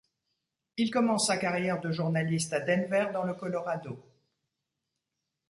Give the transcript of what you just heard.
Il commence sa carrière de journaliste à Denver dans le Colorado.